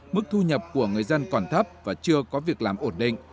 mức thu nhập của người dân còn thấp và chưa có việc làm ổn định